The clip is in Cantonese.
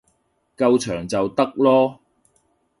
夠長就得囉